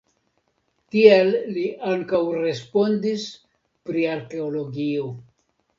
Tie li ankaŭ responsis pri arkeologio.